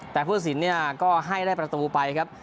แต่ผู้สินเนี่ยก็ให้ได้ประตูไปครับ